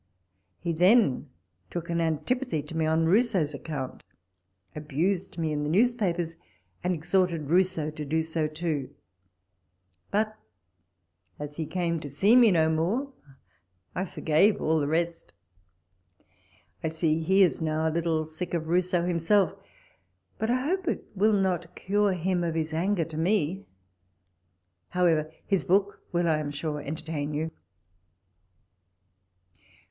He then took an antipathy to me on Rousseau's account, abused me in the newspapers, and ex horted Rousseau to do so too : but as he came to see me no more, I forgave all the rest. I see 128 walpole's letters. he now is a little sick of Rousseau liimself ; but I hope it will not cure him of his anger to me. However, his book will I am sure entertain you.